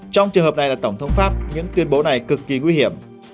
trong trường hợp này là tổng thống pháp những tuyên bố này cực kỳ nguy hiểm